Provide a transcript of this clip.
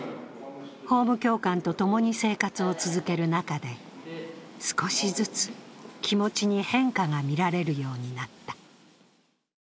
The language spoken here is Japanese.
法務教官と共に生活を続ける中で少しずつ気持ちに変化がみられるようになった。